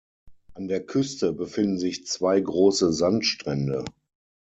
An der Küste befinden sich zwei große Sandstrände.